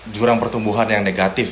jurang pertumbuhan yang negatif